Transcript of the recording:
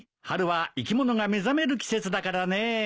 春は生き物が目覚める季節だからね。